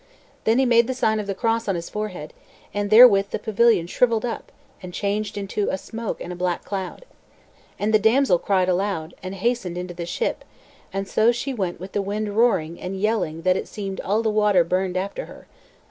Then he made the sign of the cross on his forehead, and therewith the pavilion shrivelled up, and changed into a smoke and a black cloud. And the damsel cried aloud, and hasted into the ship, and so she went with the wind roaring and yelling that it seemed all the water burned after her.